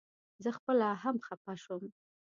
زه خپله هم خپه شوم.